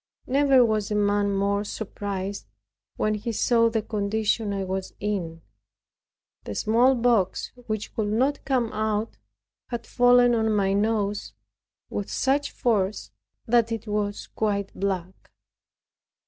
Never was a man more surprised, when he saw the condition I was in. The smallpox, which could not come out, had fallen on my nose with such force, that it was quite black.